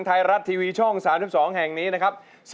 ไทยรัฐทีวีช่อง๓๒แห่งนี้นะครับ